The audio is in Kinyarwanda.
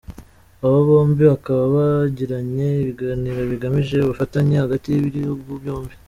Aba bombi bakaba bagiranye ibiganiro bigamije ubufatanye hagati y’ibihugu byombi.